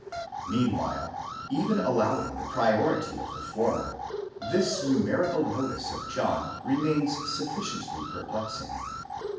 Meanwhile, even allowing the priority to the former, this numerical notice of John remains sufficiently perplexing.